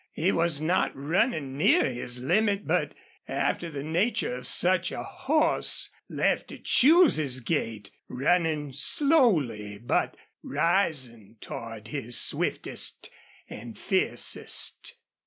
He was not running near his limit but, after the nature of such a horse, left to choose his gait, running slowly, but rising toward his swiftest and fiercest.